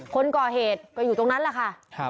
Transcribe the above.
คนก่อเหตุก็อยู่ตรงนั้นแหละค่ะ